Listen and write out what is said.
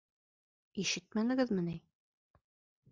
— Ишетмәнегеҙме ни?